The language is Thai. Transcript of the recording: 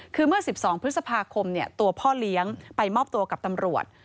คือเมื่อ๑๒พฤษภาคมตัวพ่อเลี้ยงไปมอบตัวกับตำรวจ